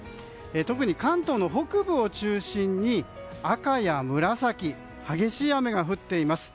特に関東北部を中心に赤や紫の激しい雨が降っています。